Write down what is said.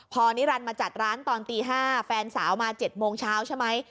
พอนิรันดิมาจัดร้านตอนตี๕แฟนสาวมา๗โมงเช้าใช่ไหม